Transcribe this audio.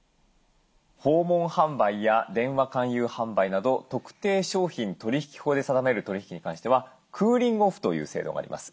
訪問販売や電話勧誘販売など特定商品取引法で定める取り引きに関してはクーリング・オフという制度があります。